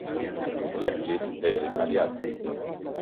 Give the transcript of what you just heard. L'èxit és immediat.